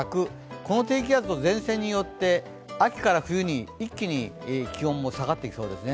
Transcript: この低気圧の前線によって秋から冬に一気に気温も下がっていきそうですね。